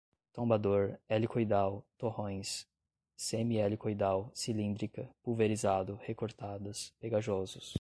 tombador, helicoidal, torrões, semi-helicoidal, cilíndrica, pulverizado, recortadas, pegajosos